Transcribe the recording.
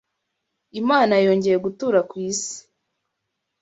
Imana yongeye gutura ku isi